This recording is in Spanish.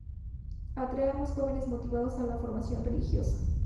Atraer a más jóvenes motivados a la formación religiosa.